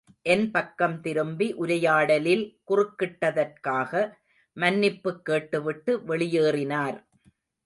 என் பக்கம் திரும்பி, உரையாடலில் குறுக்கிட்டதற்காக, மன்னிப்புக் கேட்டுவிட்டு வெளியேறினார்.